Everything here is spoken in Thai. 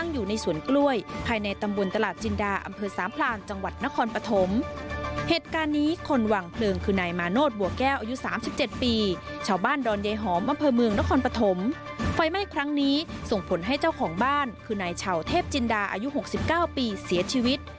อยู่ในชาวเทพจินดาอายุ๖๙ปีเสียชีวิต